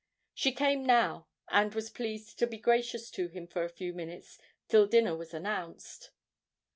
She came now, and was pleased to be gracious to him for a few minutes, till dinner was announced.